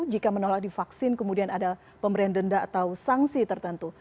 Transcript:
jika menolak divaksin kemudian ada pemberian denda atau sanksi tertentu